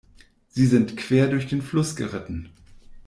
Sie sind quer durch den Fluss geritten.